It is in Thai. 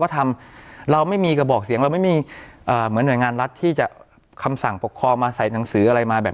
ทีนี้อย่างเรื่องรัฐมนูลเนี่ยโอเค